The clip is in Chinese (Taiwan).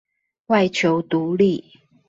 外求獨立